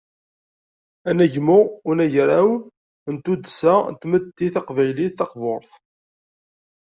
Anegmu n unagraw n tuddsa n tmetti taqbaylit taqburt.